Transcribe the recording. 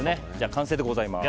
完成でございます。